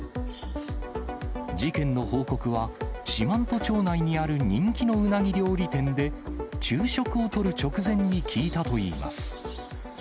事件の報告は、四万十町内にある人気のうなぎ料理店で、昼食をとる直前に聞いたといいます。